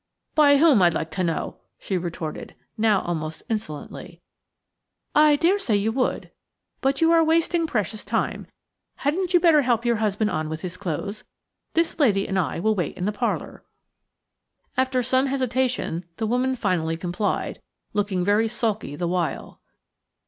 "By whom, I'd like to know," she retorted, now almost insolently. "I dare say you would. But you are wasting precious time. Hadn't you better help your husband on with his clothes? This lady and I will wait in the parlour." After some hesitation the woman finally complied, looking very sulky the while.